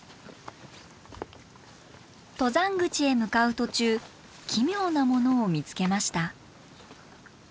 登山口へ向かう途中奇妙なものを見つけました。